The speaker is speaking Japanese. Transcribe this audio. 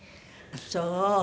そう！